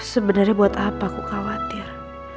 sebenarnya buat apa aku khawatir